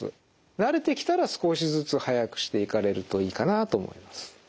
慣れてきたら少しずつ速くしていかれるといいかなと思います。